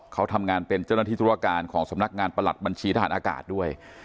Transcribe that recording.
เขาทำงานเป็นเจ้าหน้าที่ธุรการของสำนักงานประหลัดบัญชีทหารอากาศด้วย